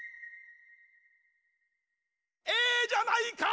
「ええじゃないか」